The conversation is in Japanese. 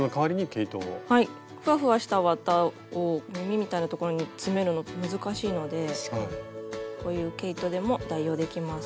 ふわふわした綿を耳みたいなところに詰めるの難しいのでこういう毛糸でも代用できます。